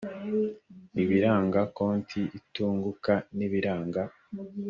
ibiranga konti itunguka n ibiranga